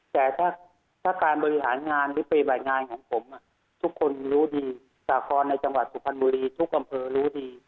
แต่ถ้าการบริหารงานหรือปฏิบัติงานของผมทุกคนรู้ดีสาครในจังหวัดสุพรรณบุรีทุกอำเภอรู้ดี